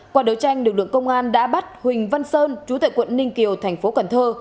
quả đối tranh lực lượng công an đã bắt huỳnh văn sơn trú tại quận ninh kiều tp cần thơ